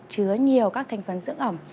chứa nhiều các thành phần dưỡng ẩm